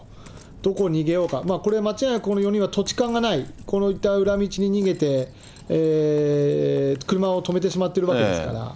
どこへ逃げようが、これ間違いなく、この４人は土地勘がない、こういった裏道に逃げて、車を止めてしまってるわけですから。